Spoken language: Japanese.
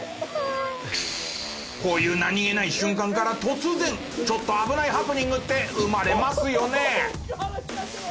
こういう何げない瞬間から突然ちょっと危ないハプニングって生まれますよね。